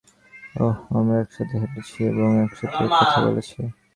ওহ, আমরা একসাথে হেঁটেছি এবং একসাথে কথা বলেছি।